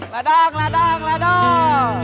ladang ladang ladang